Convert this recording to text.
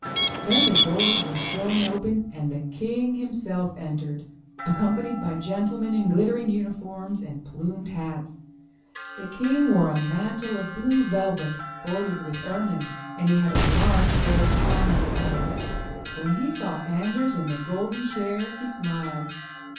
i6 UP ONE PAIR OF STAIRS Then the doors were thrown open and the king himself entered, accompanied by gentlemen in glit tering uniforms and plumed hats. The king wore a mantle of blue velvet, bordered with ermine, and he had a large gold crown on his head. When he saw Anders in the golden chair, he smiled.